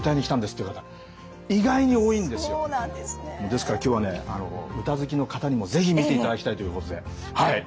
ですから今日はね歌好きの方にも是非見ていただきたいということではい。